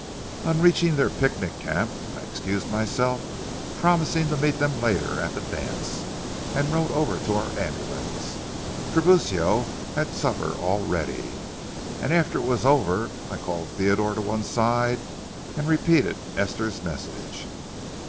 On reaching their picnic camp, I excused myself, promising to meet them later at the dance, and rode for our ambulance. Tiburcio had supper all ready, and after it was over I called Theodore to one side and repeated Esther's message.